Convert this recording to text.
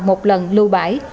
một lần lưu bãi